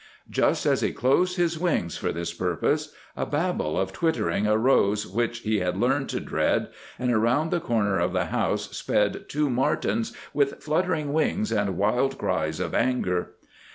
Just as he closed his wings for this purpose, a babel of twittering arose which he had learned to dread, and around the corner of the house sped two martens with fluttering wings and wild cries of anger.